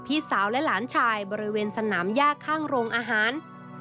ที่ยากข้างโรงอาหาร